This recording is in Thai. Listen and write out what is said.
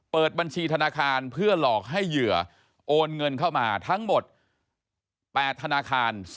เปิดบัญชีธนาคารเพื่อหลอกให้เหยื่อโอนเงินเข้ามาทั้งหมด๘ธนาคาร